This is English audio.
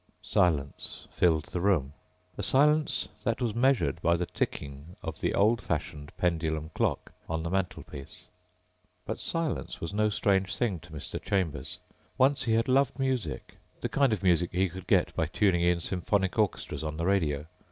Silence filled the room. A silence that was measured by the ticking of the old fashioned pendulum clock on the mantelpiece. But silence was no strange thing to Mr. Chambers. Once he had loved music ... the kind of music he could get by tuning in symphonic orchestras on the radio.